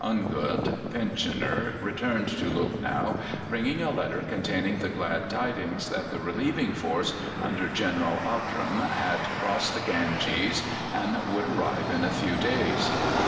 Ungud, pensioner, returned to Lucknow, bringing a letter containing the glad tidings that the relieving force, under General Outram, had crossed the Ganges, and would arrive in a few days.